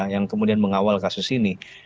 yang kemudian mengawal kasus ini